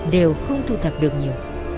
đều không thu thập được nhiều